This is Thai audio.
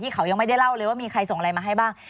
เขายังไม่ได้เล่าเลยว่ามีใครส่งอะไรมาให้บ้าง